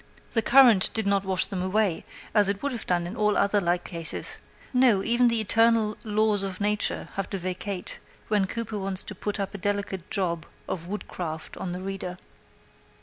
The current did not wash them away, as it would have done in all other like cases no, even the eternal laws of Nature have to vacate when Cooper wants to put up a delicate job of woodcraft on the reader.